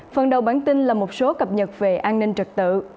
phần đầu bản tin là một số cập nhật về an ninh trật tự